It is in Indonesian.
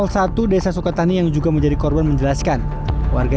ketua rt satu desa soekarno yang juga menjadi korban menjelaskan warga